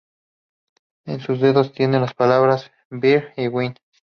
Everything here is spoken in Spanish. En sus dedos tiene las palabras "Beer" y "Wine".